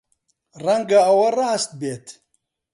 ڕەنگە ئەوە ڕاست بێت.